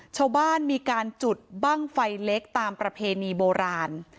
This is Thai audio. ชาวบ้านมีการจุดบ้างไฟเล็กตามประเพณีโบราณ